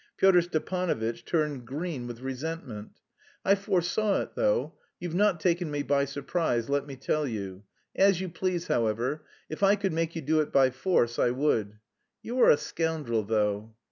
Pyotr Stepanovitch turned green with resentment. "I foresaw it, though. You've not taken me by surprise, let me tell you. As you please, however. If I could make you do it by force, I would. You are a scoundrel, though."